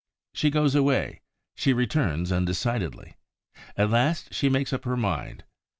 She goes away, she returns undecidedly; at last she makes up her mind.